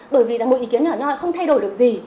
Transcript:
bởi vì một ý kiến nhỏ nhỏ không thay đổi được gì